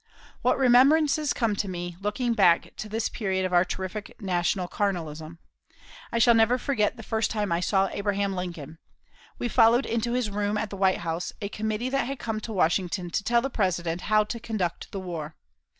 What remembrances come to me, looking backward to this period of our terrific national carnalism! I shall never forget the first time I ever saw Abraham Lincoln. We followed into his room, at the White House, a committee that had come to Washington to tell the President how to conduct the war.